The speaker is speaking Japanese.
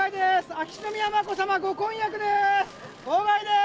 秋篠宮眞子さま、ご婚約です。